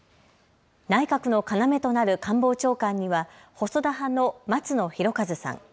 内閣の要となる官房長官には細田派の松野博一さん。